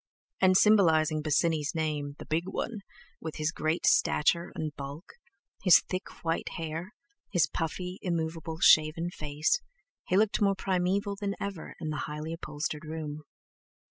And symbolizing Bosinney's name "the big one," with his great stature and bulk, his thick white hair, his puffy immovable shaven face, he looked more primeval than ever in the highly upholstered room.